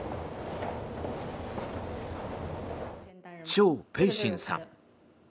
チョウ・ペイシンさん。